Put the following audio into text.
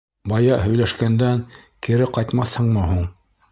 — Бая һөйләшкәндән кире ҡайтмаҫһыңмы һуң?